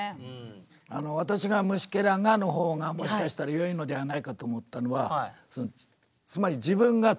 私が「虫螻が」の方がもしかしたら良いのではないかと思ったのはつまり自分が投影されるからです